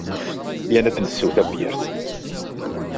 Yya-n ad nsew tabyirt!